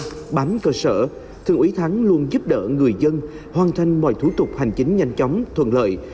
bám cơ sở thượng úy thắng luôn giúp đỡ người dân hoàn thành mọi thủ tục hành chính nhanh chóng thuận lợi